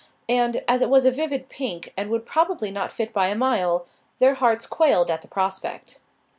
And, as it was a vivid pink and would probably not fit by a mile, their hearts quailed at the prospect.